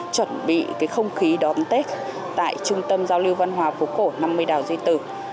chuẩn bị cái không khí đón tết tại trung tâm giao lưu văn hóa phố cổ năm mươi đào duy tử